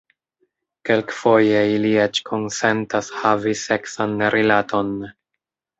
Kelkfoje ili eĉ konsentas havi seksan rilaton.